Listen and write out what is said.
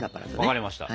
分かりました。